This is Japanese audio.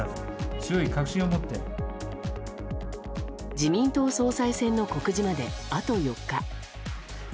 自民党総裁選の告示まであと４日。